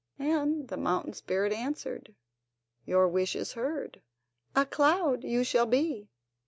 And the mountain spirit answered: "Your wish is heard; a cloud you shall be!"